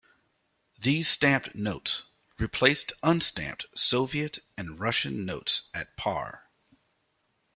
These stamped notes replaced unstamped Soviet and Russian notes at par.